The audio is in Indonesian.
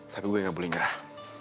tapi saya tidak boleh nyerah